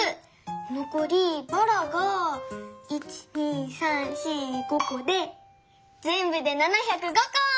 のこりばらが１２３４５こでぜんぶで７０５こ！